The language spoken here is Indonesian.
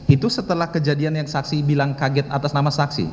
itu setelah kejadian yang saksi bilang kaget atas nama saksi